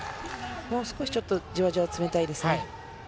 もう少しじわじわ詰めたいですね。